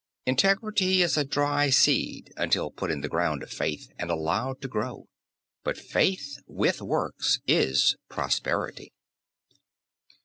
Integrity is a dry seed until put in the ground of faith and allowed to grow. But faith with works is prosperity.